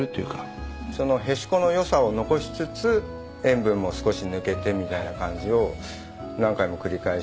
そのへしこの良さを残しつつ塩分も少し抜けてみたいな感じを何回も繰り返して。